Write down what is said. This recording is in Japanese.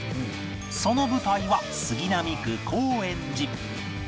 その舞台は杉並区高円寺